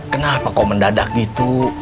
kenapa kau mendadak gitu